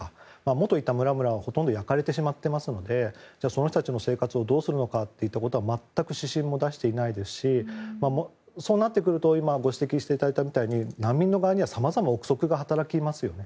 もといた村々は、ほとんど焼かれてしまっていますのでその人たちの生活をどうするのかは全く指針を出していませんしそうなってくると今、ご指摘いただいたみたいに難民の場合にはさまざまな憶測が働きますよね。